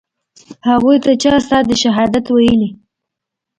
هغوى ته چا ستا د شهادت ويلي.